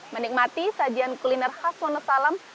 menikmati sajian kuliner khas wonosalam